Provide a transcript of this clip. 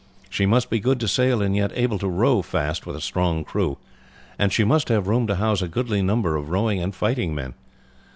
She must be good to sail and yet able to row fast with a strong crew, and she must have room to house a goodly number of rowing and fighting men.